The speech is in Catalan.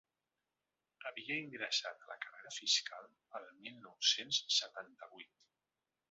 Havia ingressat a la carrera fiscal el mil nou-cents setanta-vuit.